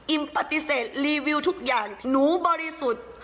ปฏิเสธรีวิวทุกอย่างหนูบริสุทธิ์